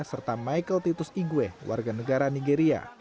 serta michael titus igue warga negara nigeria